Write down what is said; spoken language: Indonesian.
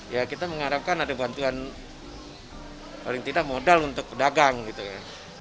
ya kita mengharapkan ada bantuan paling tidak modal untuk pedagang gitu ya